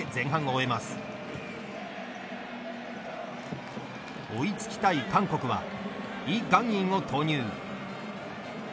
追いつきたい韓国はイ・ガンインを投入。